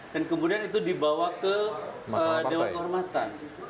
dan kemudian itu dibawa ke dewan kehormatan